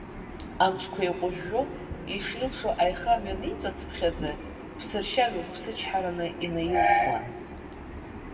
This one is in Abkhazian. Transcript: Амҿқәа еиҟәыжәжәо, ишилшо аиха мҩаниҵацыԥхьаӡа, ԥсыршьага қәыԥсычҳараны инаилсуан.